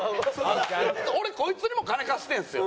俺こいつにも金貸してるんですよ。